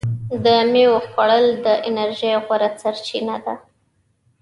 د میوې خوړل د انرژۍ غوره سرچینه ده.